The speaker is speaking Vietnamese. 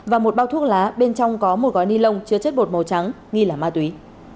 và một bao thuốc lá bên trong có một gói ni lông chứa chất bột màu trắng nghi là ma túy